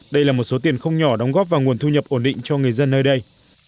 đây là một số tiền không nhỏ đóng góp vào nguồn thu nhập ổn định cho người dân nơi đây